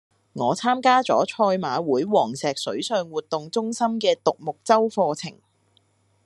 我參加咗賽馬會黃石水上活動中心嘅獨木舟課程。